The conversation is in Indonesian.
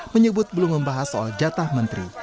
menyebut belum membahas soal jatah menteri